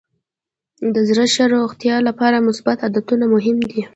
د زړه ښه روغتیا لپاره مثبت عادتونه مهم دي.